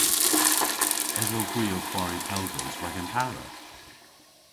Esowgh hwi ow kwari pel droos rag an para?